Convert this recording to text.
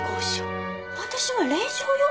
私は令嬢よ。